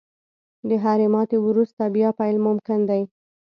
• د هرې ماتې وروسته، بیا پیل ممکن دی.